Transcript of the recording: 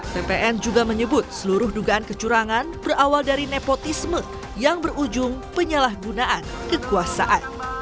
ppn juga menyebut seluruh dugaan kecurangan berawal dari nepotisme yang berujung penyalahgunaan kekuasaan